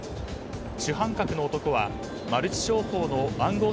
主犯格の男はマルチ商法の暗号